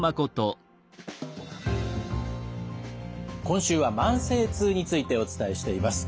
今週は慢性痛についてお伝えしています。